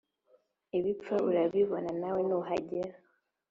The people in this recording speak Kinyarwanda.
ibipfa urabibona nawe nuhagera